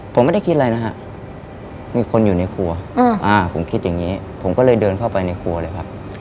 ผมไม่ได้คิดอะไรนะฮะมีคนอยู่ในครัวผมคิดอย่างนี้ผมก็เลยเดินเข้าไปในครัวเลยครับ